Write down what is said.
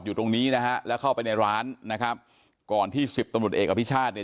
อยู่ตรงนี้นะฮะแล้วเข้าไปในร้านนะครับก่อนที่สิบตำรวจเอกอภิชาติเนี่ย